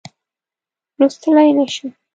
لوستلای نه شم.